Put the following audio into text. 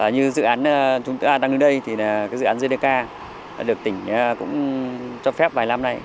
như dự án chúng ta đang ở đây thì là dự án gdk được tỉnh cũng cho phép vài năm nay